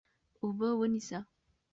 اوبه ونیسه.